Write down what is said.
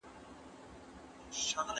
ساده ژبه د هر چا لپاره ده.